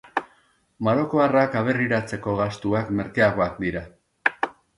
Marokoarrak aberriratzeko gastuak merkeagoak dira.